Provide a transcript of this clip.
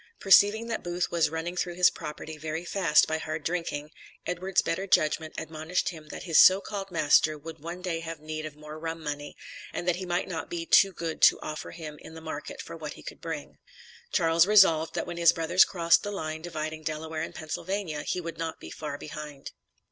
Perceiving that Booth was "running through his property" very fast by hard drinking, Edward's better judgment admonished him that his so called master would one day have need of more rum money, and that he might not be too good to offer him in the market for what he would bring. Charles resolved that when his brothers crossed the line dividing Delaware and Pennsylvania, he would not be far behind.